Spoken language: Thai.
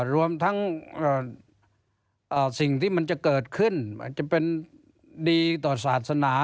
รวมทั้งสิ่งที่มันจะเกิดขึ้นอาจจะเป็นดีต่อศาสนา